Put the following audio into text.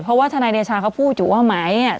เพราะว่าธนายเนชาเขาพูดอยู่ว่าหมายเนี้ย